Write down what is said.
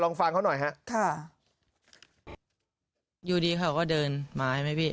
ฟังเขาหน่อยฮะค่ะอยู่ดีเขาก็เดินไม้ไหมพี่